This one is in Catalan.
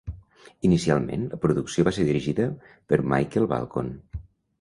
Inicialment, la producció va ser dirigida per Michael Balcon.